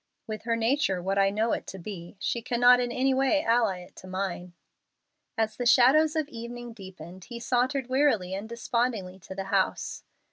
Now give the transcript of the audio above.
"With her nature what I know it to be, she cannot in any way ally it to mine." As the shadows of evening deepened he sauntered wearily and despondingly to the house.